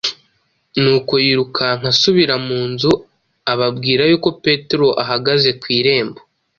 nuko yirukanka asubira mu nzu, ababwira yuko Petero ahagaze ku irembo.